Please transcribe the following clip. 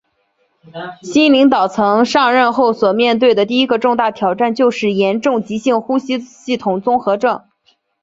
新领导层上任后所面对的第一个重大挑战就是严重急性呼吸系统综合症。